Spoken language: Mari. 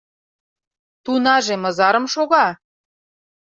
Тунаже мызарым шога?